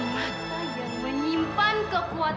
permata yang menyimpan kekuatan